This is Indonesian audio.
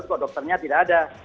soalnya dokternya tidak ada